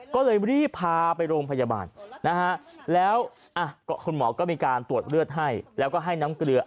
ก็เลยรีบพาไปโรงพยาบาลนะฮะแล้วคุณหมอก็มีการตรวจเลือดให้แล้วก็ให้น้ำเกลือ